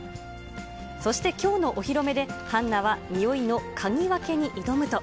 そしてきょうのお披露目で、ハンナは、においの嗅ぎ分けに挑むと。